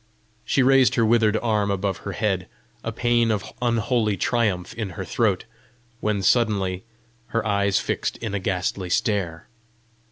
She raised her withered arm above her head, a pæan of unholy triumph in her throat when suddenly her eyes fixed in a ghastly stare.